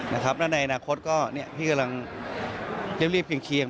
และในอนาคตก็พี่กำลังเรียบเคียง